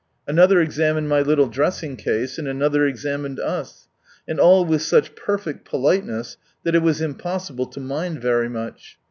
Another examined my little dressing case, and another examined us. And all with such perfect politeness that it was impossible to mind very much.